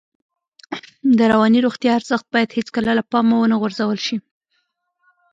د رواني روغتیا ارزښت باید هېڅکله له پامه ونه غورځول شي.